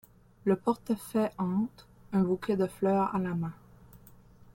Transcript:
Le portefaix entre, un bouquet de fleurs à la main.